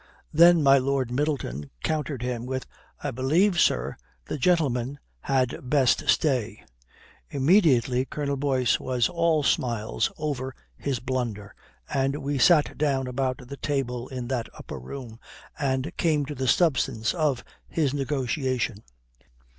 Then my Lord Middleton countered him with, 'I believe, sir, the gentleman had best stay.' Immediately Colonel Boyce was all smiles over his blunder, and we sat down about the table in that upper room and came to the substance of his negotiation.